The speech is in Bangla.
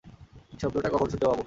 শব্দটা কখন শুনতে পাব?